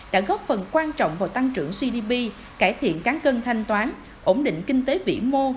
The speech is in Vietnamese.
đã góp phần quan trọng vào tăng trưởng gdp cải thiện cán cân thanh toán ổn định kinh tế vĩ mô